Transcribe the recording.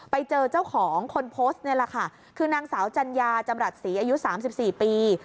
ไปเจอเจ้าของคนโพสต์นี่แหละค่ะคือนางสาวจัญญาจำรัฐศรีอายุ๓๔ปี